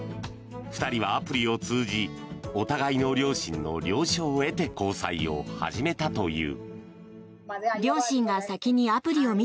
２人はアプリを通じお互いの両親の了承を得て交際を始めたという。